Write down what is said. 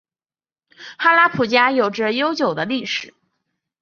哈拉卜贾有着悠久的历史。